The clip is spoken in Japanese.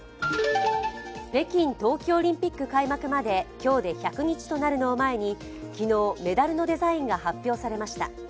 北京冬季オリンピック開幕まで今日で１００日となるのを前に昨日、メダルのデザインが発表されました。